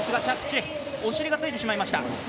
お尻がついてしまいました。